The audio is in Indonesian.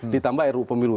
ditambah ru pemilu